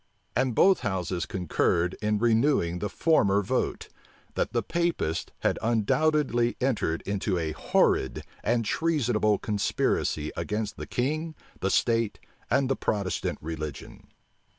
And both houses concurred in renewing the former vote, that the Papists had undoubtedly entered into a horrid and treasonable conspiracy against the king, the state, and the Protestant religion.